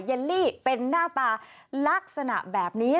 เลลี่เป็นหน้าตาลักษณะแบบนี้